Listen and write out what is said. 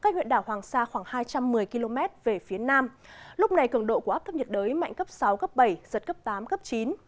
cách huyện đảo hoàng sa khoảng hai trăm một mươi km về phía nam lúc này cường độ của áp thấp nhiệt đới mạnh cấp sáu cấp bảy giật cấp tám cấp chín